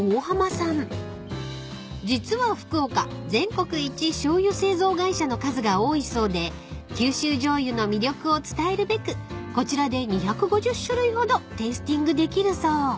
［実は福岡全国一しょうゆ製造会社の数が多いそうで九州じょうゆの魅力を伝えるべくこちらで２５０種類ほどテイスティングできるそう］